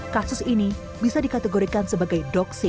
kasus ini bisa dikategorikan sebagai doksi